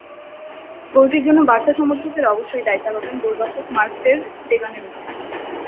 গোলটির জন্য বার্সা সমর্থকেরা অবশ্যই দায় চাপাবেন গোলরক্ষক মার্ক টের স্টেগানের ওপর।